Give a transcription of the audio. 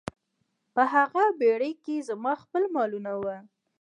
په هغه بیړۍ کې زما خپل مالونه وو.